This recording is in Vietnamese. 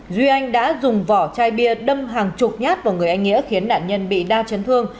duy anh đã dùng vỏ chai bia đâm hàng chục nhát vào người anh nghĩa khiến nạn nhân bị đa chấn thương